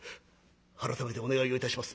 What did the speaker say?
改めてお願いをいたします。